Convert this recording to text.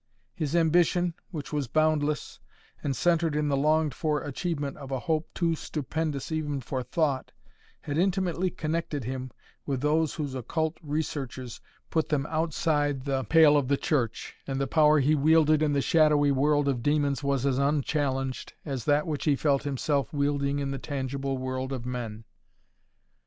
His ambition, which was boundless, and centred in the longed for achievement of a hope too stupendous even for thought, had intimately connected him with those whose occult researches put them outside the pale of the Church, and the power he wielded in the shadowy world of demons was as unchallenged as that which he felt himself wielding in the tangible world of men.